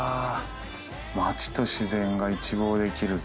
町と自然が一望できる。